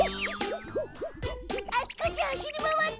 あちこち走り回って。